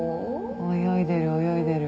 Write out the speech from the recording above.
泳いでる泳いでる。